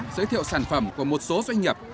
giới thiệu sản phẩm của một số doanh nghiệp